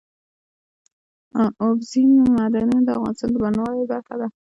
اوبزین معدنونه د افغانستان د بڼوالۍ برخه ده.